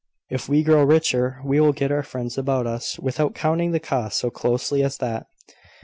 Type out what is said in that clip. If we grow richer, we will get our friends about us, without counting the cost so closely as that."